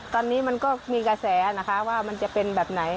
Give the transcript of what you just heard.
ตอนนี้มันก็มีกระแสนะคะว่ามันจะเป็นแบบไหน